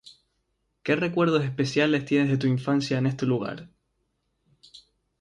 ¿Qué recuerdos especiales tienes de tu infancia en este lugar?